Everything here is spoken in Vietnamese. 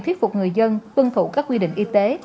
thuyết phục người dân tuân thủ các quy định y tế